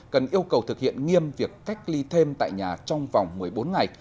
cần yêu cầu thực hiện nghiêm việc cách ly thêm tại nhà trong vòng một mươi bốn ngày